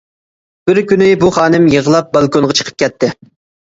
بىر كۈنى بۇ خانىم يىغلاپ بالكونغا چىقىپ كەتتى.